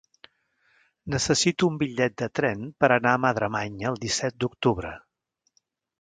Necessito un bitllet de tren per anar a Madremanya el disset d'octubre.